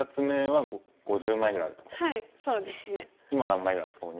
今は何枚ぐらいなんですか？